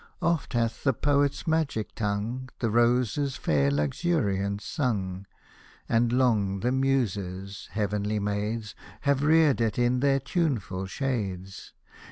Oft hath the poet's magic tongue The rose's fair luxuriance sung ; And long the Muses, heavenly maids. Have reared it in their tuneful shades.